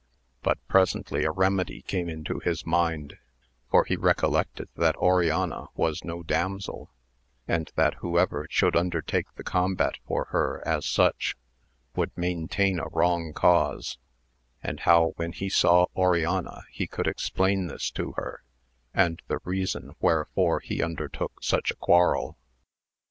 But presently a remedy came into his nind, for he recollected that Oriana was no damsel, tnd that whoever should undertake the combat for ler as such would maintain a wrong cause, and how rhen he saw Oriana he could explain this to her, and he reason wherefore he undertook such a quarrel.